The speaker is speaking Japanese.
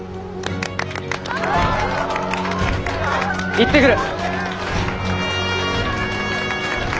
行ってくる。